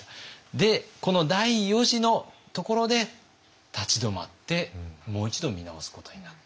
でこの第四次のところで立ち止まってもう一度見直すことになった。